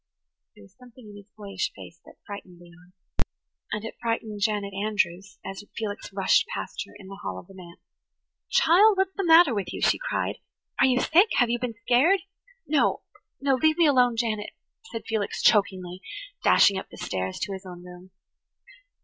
There was something in his boyish face that frightened Leon; and it frightened Janet Andrews as Felix rushed past her in the hall of the manse. [Page 98] "Child, what's the matter with you?" she cried. "Are you sick? Have you been scared?" "No, no. Leave me alone, Janet," said Felix chokingly, dashing up the stairs to his own room.